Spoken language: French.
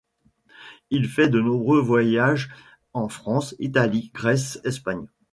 Il fait de nombreux voyages en France, Italie, Grèce, Espagne.